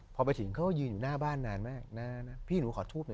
พอไปถึงเขาก็ยืนอยู่หน้าบ้านนานมากนานนะพี่หนูขอทูบหน่อย